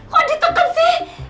kok diteken sih